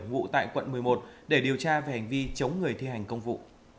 ngụ tại quận một mươi một để điều tra về hành vi chống người thi hành công vụ